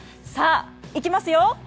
さあ、いきますよ。